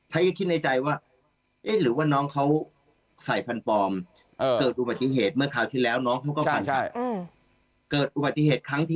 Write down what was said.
ให้คิดในใจว่าหรือว่าน้องเขาใส่ฟันปลอมเกิดอุบัติเหตุเมื่อคราวที่แล้วน้องเขาก็ฟันหัก